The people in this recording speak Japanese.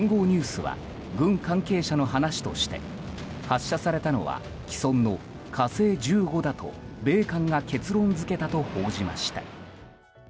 ニュースは軍関係者の話として発射されたのは既存の「火星１５」だと米韓が結論付けたと報じました。